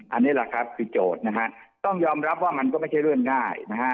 อันนี้แหละครับคือโจทย์นะฮะต้องยอมรับว่ามันก็ไม่ใช่เรื่องง่ายนะฮะ